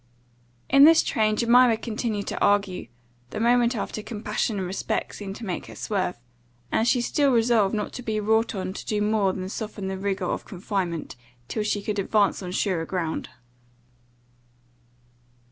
In this train Jemima continued to argue, the moment after compassion and respect seemed to make her swerve; and she still resolved not to be wrought on to do more than soften the rigour of confinement, till she could advance on surer ground.